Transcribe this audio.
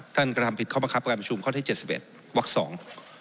ท่านกระทำผิดเขามากับประการประชุมเคาะทั้ง๗๕วักสอง